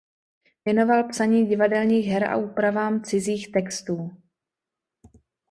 Věnoval psaní divadelních her a úpravám cizích textů.